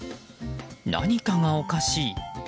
何かがおかしい。